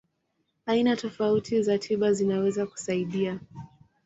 Aina tofauti za tiba zinaweza kusaidia.